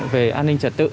về an ninh trật tự